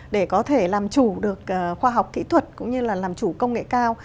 để có thể làm chủ được khoa học kỹ thuật cũng như là làm chủ công nghệ cao